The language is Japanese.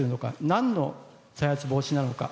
なんの再発防止なのか。